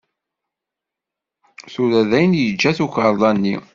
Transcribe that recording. Tura dayen yeǧǧa tukerḍa-nni.